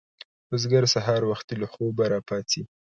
بزګر سهار وختي له خوبه راپاڅي